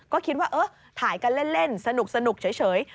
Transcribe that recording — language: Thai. ก็คิดว่าเออถ่ายกันเล่นสนุกเฉย